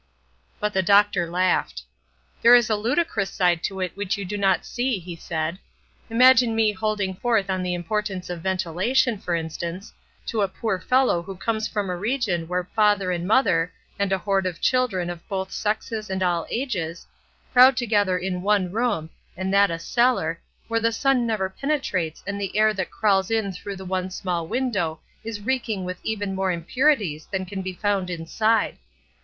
But the doctor laughed. "There is a ludicrous side to it which you do not see," he said. "Imagine me holding forth on the importance of ventilation, for instance, to a poor follow who comes from a region where father and mother, and a horde of children of both sexes and all ages, crowd together in one room, and that a cellar, where the sun never penetrates and the air that crawls in through the one small window is reeking with even more impurities than can be found inside.